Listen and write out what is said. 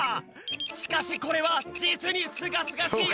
しかしこれはじつにすがすがしい